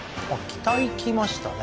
北行きましたね